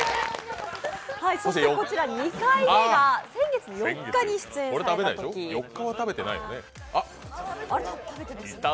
そして、２回目が先月の４日に出演されたとき。